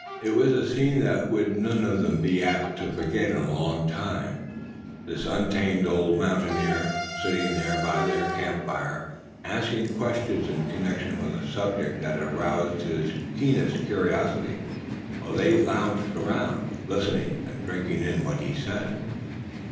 It was a scene they would none of them be apt to forget in a long time this untamed old mountaineer sitting there by their camp fire, asking questions in connection with a subject that had aroused his keenest curiosity; while they lounged around, listening, and drinking in what was said.